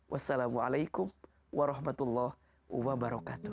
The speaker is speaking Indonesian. wassalamualaikum warahmatullahi wabarakatuh